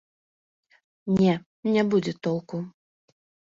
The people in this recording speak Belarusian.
Не, не будзе толку!